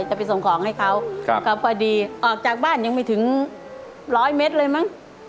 จะไปส่งของให้เขาก็พอดีออกจากบ้านยังไม่ถึงร้อยเมตรเลยมั้ง